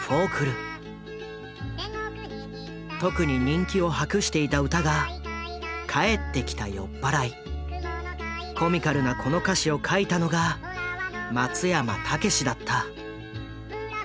特に人気を博していた歌がコミカルなこの歌詞を書いたのが松山猛だった。